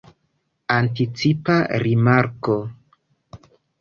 Anticipa rimarko.